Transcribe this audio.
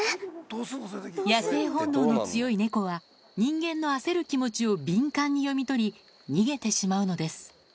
野生本能の強い猫は、人間の焦る気持ちを敏感に読み取り、逃げてしまうのです。